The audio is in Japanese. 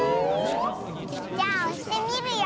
じゃあおしてみるよ！